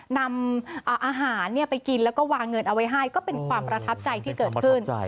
นำอาหารไปกินแล้วก็วางเงินเอาไว้ให้ก็เป็นความประทับใจที่เกิดขึ้น